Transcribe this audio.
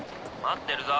待ってるぞ。